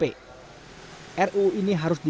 ru ini harus dianggap sebagai kondom